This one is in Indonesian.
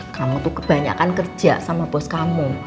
kamu tuh kebanyakan kerja sama bos kamu